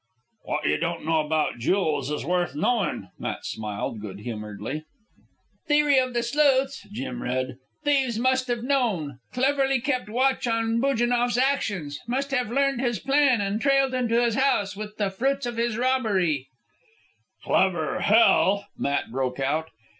"What you don't know about jools is worth knowin'," Matt smiled good humouredly. "Theory of the sleuths," Jim read. "Thieves must have known cleverly kept watch on Bujannoff's actions must have learned his plan and trailed him to his house with the fruits of his robbery " "Clever hell!" Matt broke out.